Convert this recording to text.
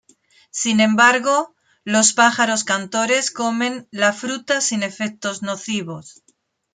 Sin embargo, los pájaros cantores comen la fruta sin efectos nocivos.